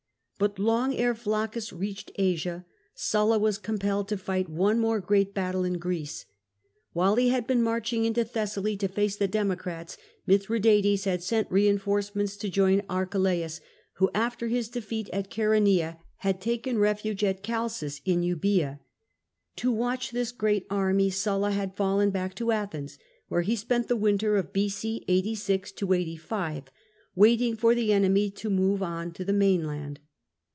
But long ere Flaccus reached Asia, Sulla was compelled to fight one more great battle in Greece. While he had been marching into Thessaly to face the Democrats, Mithradates had sent reinforcements to join Archelaus, who after his defeat at Chaeronea had taken refuge at Chaleis in Euboea, To watch this new army Sulla had fallen back to Athens, where he spent the winter of B.c. 86 85, waiting for the enemy to make a move on to the mainland.